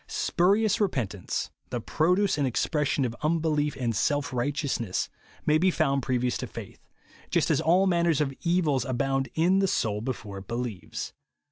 Spurious repentance, the j)roduce and expression of unbelief and self righteousness, may be found previous to faith ;— just as all manner of evils abound in the soul be fore it believes.